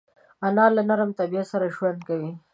انا له نرم طبیعت سره ژوند کوي